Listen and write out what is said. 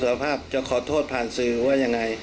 รับสารภาพจะขอโทษผ่านซื้อว่ายังไง